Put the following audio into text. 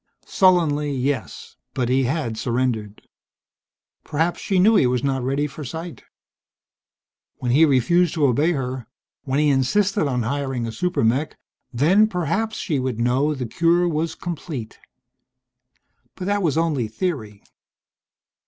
Sullenly, yes, but he had surrendered. Perhaps she knew he was not ready for sight. When he refused to obey her, when he insisted on hiring a super mech then, perhaps, she would know the cure was complete. But that was only theory.